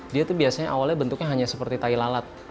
dia tuh biasanya awalnya bentuknya hanya seperti tai lalat